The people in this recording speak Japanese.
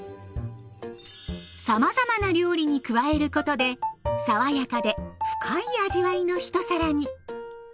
さまざまな料理に加えることで爽やかで深い味わいの一皿に。